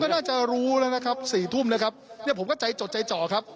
ก็จะรู้แล้วคัทนี่ผมก็ใจโจทย์ก็รู้ครับ